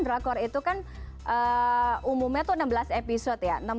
drakor itu kan umumnya tuh enam belas episode ya